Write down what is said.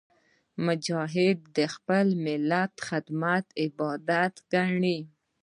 مجاهد د خپل ملت خدمت عبادت ګڼي.